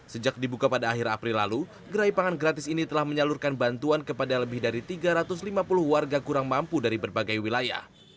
sejak dibuka pada akhir april lalu gerai pangan gratis ini telah menyalurkan bantuan kepada lebih dari tiga ratus lima puluh warga kurang mampu dari berbagai wilayah